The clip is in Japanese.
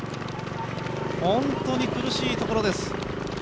本当に苦しいところです。